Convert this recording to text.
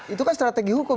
itu kan strategi hukum